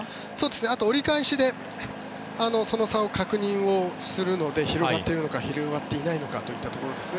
あと折り返しでその差を確認するので広がっているのか広がっていないのかというところですね。